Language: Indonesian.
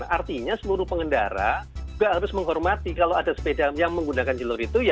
artinya seluruh pengendara juga harus menghormati kalau ada sepeda yang menggunakan jalur itu